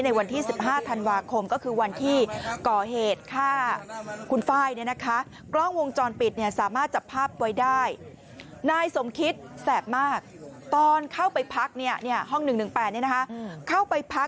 ในวันที่๑๕ธันวาคมก็คือวันที่ก่อเหตุฆ่าคุณไฟน์เนี่ยนะคะ